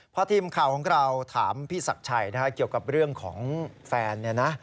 พหัวทีมข่าวของเราถามพี่สักชัยเกี่ยวกับเรื่องของแฟน